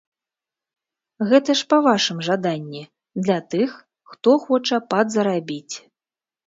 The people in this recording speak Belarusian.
Гэта ж па вашым жаданні, для тых, хто хоча падзарабіць.